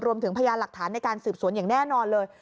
รวมถึงพยายามหลักฐานในการสืบสวนอย่างแน่นอนเลย